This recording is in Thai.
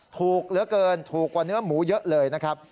ถูกเหลือเกินถูกกว่าเนื้อหมูเยอะเลยนะครับ